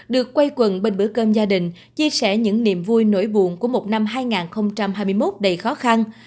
được quay quần bên bữa cơm gia đình chia sẻ những niềm vui nỗi buồn của một năm hai nghìn hai mươi một đầy khó khăn